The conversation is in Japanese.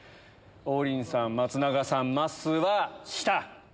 王林さん松永さんまっすーは下。